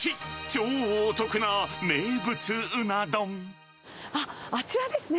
超お得な名物うなあっ、あちらですね。